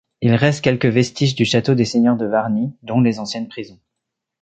Il reste quelques vestiges du château des seigneurs de Wargnies dont les anciennes prisons.